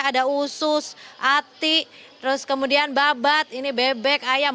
ada usus ati terus kemudian babat ini bebek ayam